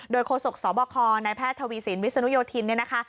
โดยโฆษกสคในแพทย์ทวีศิลป์วิศนุโยธินตร์